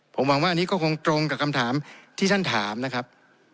ผมหวังว่าอันนี้ก็คงตรงกับคำถามที่ท่านถามนะครับ